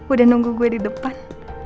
udah nunggu gue di depan